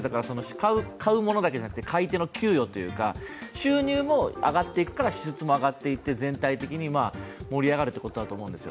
買うものだけじゃなくて、買い手の給与収入も上がっていくから支出も上がっていって全体的に盛り上がるということだと思うんですよ。